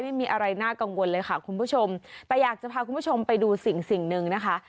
ไม่มีอะไรน่ากังวลเลยค่ะคุณผู้ชมแต่อยากจะพาคุณผู้ชมไปดูสิ่งสิ่งหนึ่งนะคะ